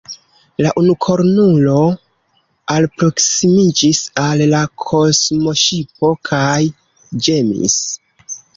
La unukornulo alproskimiĝis al la kosmoŝipo kaj ĝemis.